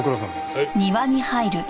はい。